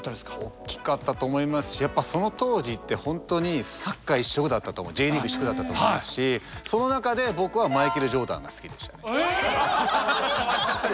大きかったと思いますしやっぱりその当時って本当にサッカー一色だったと思うＪリーグ一色だったと思いますしその中で僕は変わっちゃってる。